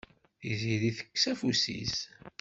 Tiziri tekkes afus-is.